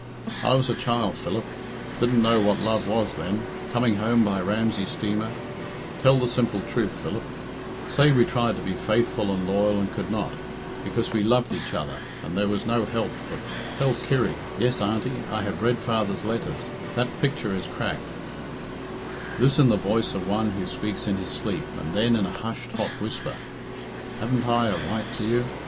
"I was a child, Philip didn't know what love was then coming home by Ramsey steamer tell the simple truth, Philip say we tried to be faithful and loyal and could not, because we loved each other, and there was no help for tell Kirry yes, Auntie, I have read father's letters that picture is cracked " This in the voice of one who speaks in his sleep, and then in a hushed, hot whisper, "Haven't I a right to you?